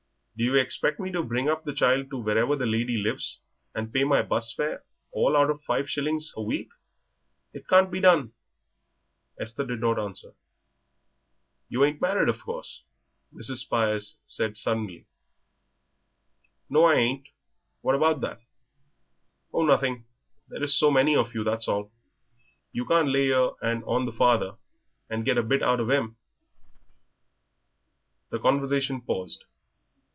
"Do you expect me to bring up the child to wherever the lady lives, and pay my 'bus fare, all out of five shillings a week? It can't be done!" Esther did not answer. "You ain't married, of course?" Mrs. Spires said suddenly. "No, I ain't; what about that?" "Oh, nothing; there is so many of you, that's all. You can't lay yer 'and on the father and get a bit out of 'im?" The conversation paused.